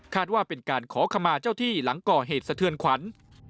ว่าเป็นการขอขมาเจ้าที่หลังก่อเหตุสะเทือนขวัญ